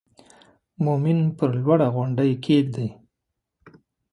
مومن پر لوړه غونډۍ کېږدئ.